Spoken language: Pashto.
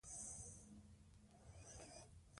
میندې د حفظ الصحې خیال ساتي.